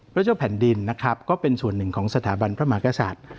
เจ้าแผ่นดินนะครับก็เป็นส่วนหนึ่งของสถาบันพระมหากษัตริย์